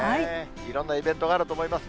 いろんなイベントがあると思います。